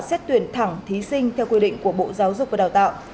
xét tuyển thẳng thí sinh theo quy định của bộ giáo dục và đào tạo